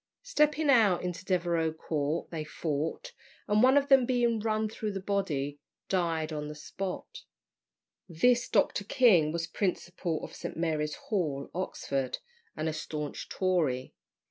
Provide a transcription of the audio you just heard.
Stepping out into Devereux Court, they fought, and one of them being run through the body, died on the spot. This Dr. King was principal of St. Mary's Hall, Oxford, and a staunch Tory.